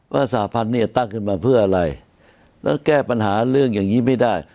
สาพันธ์เนี่ยตั้งขึ้นมาเพื่ออะไรแล้วแก้ปัญหาเรื่องอย่างนี้ไม่ได้